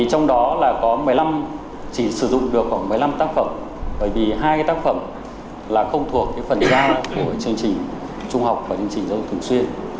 trong đó có một mươi năm chỉ sử dụng được khoảng một mươi năm tác phẩm bởi vì hai tác phẩm không thuộc phần ra của chương trình trung học và chương trình giáo dục thường xuyên